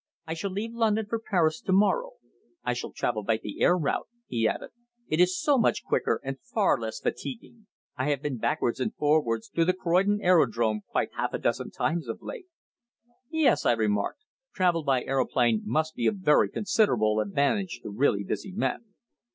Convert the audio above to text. I shall leave London for Paris to morrow. I shall travel by the air route," he added; "it is so much quicker, and far less fatiguing. I have been backwards and forwards to the Croydon Aerodrome quite half a dozen times of late." "Yes," I remarked. "Travel by aeroplane must be of very considerable advantage to really busy men."